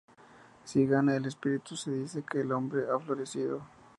Si gana el espíritu se dice que el hombre ha florecido.